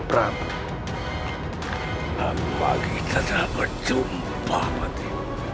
semoga kita tidak bertumpah lagi